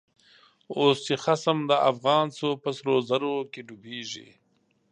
اوس چه خصم دافغان شو، په سرو زرو کی ډوبیږی